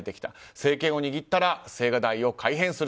政権を握ったら青瓦台を改編する。